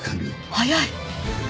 早い！